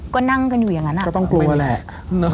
ก็นั่งกันอยู่อย่างนั้นก็ต้องกลัวแหละ